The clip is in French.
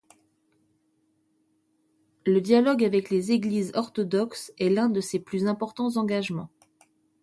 Le dialogue avec les Églises orthodoxes est l'un de ses plus importants engagements.